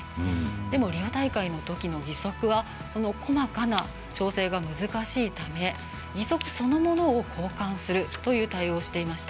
でもリオ大会のときの義足はその細かな調整が難しいため義足そのものを交換するという対応をしていました。